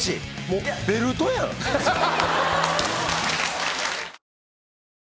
もうベルトやん。